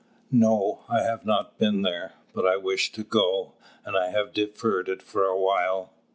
"No, I have not been there; but I wish to go, and I have deferred it for a while.